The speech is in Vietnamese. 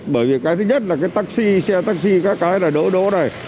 bởi vì cái thứ nhất là cái taxi xe taxi các cái là đỗ này